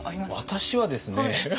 私はですね。